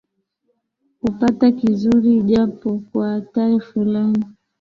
kupata kizuri ijapo kwa hatari fulani